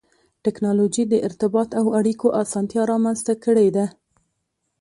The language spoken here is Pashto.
ټکنالوجي د ارتباط او اړیکو اسانتیا رامنځته کړې ده.